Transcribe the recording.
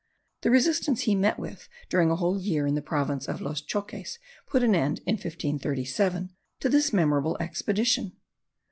The resistance he met with during a whole year in the province de los Choques, put an end, in 1537, to this memorable expedition.